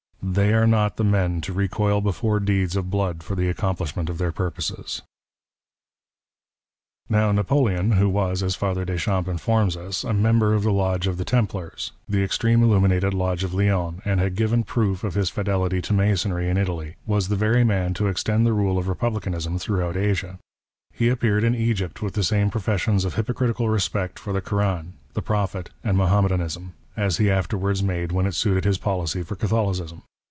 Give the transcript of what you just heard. They are not the men to recoil before deeds of blood for the accomplishment of their purposes. 46 WAR OF ANTICHRIST WITH THE CHURCH. Now Napoleon, who was, as Father Deschamps informs us, a member of the lodge of the Templars, the extreme Illuminated lodge of Lyons, and had given proof of his fidelity to Masonry in Italy, was the very man to extend the rule of Republicanism throughout Asia. He appeared in Egypt with the same profes sions of hypocritical respect for the Koran, the Prophet, and Mahommedanism, as he afterwards made when it suited his policy for Catholicism.